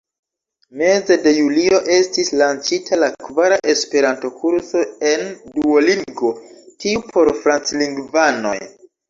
Meze de julio estis lanĉita la kvara Esperanto-kurso en Duolingo, tiu por franclingvanoj.